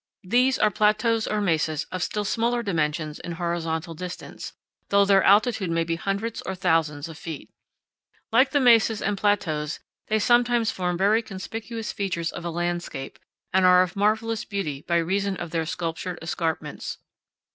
These are plateaus or mesas of still smaller dimensions in horizontal distance, though their altitude may be hundreds or thousands of feet. Like the mesas and plateaus, they sometimes form very conspicuous features of a landscape and are of marvelous beauty by reason of their sculptured escarpments.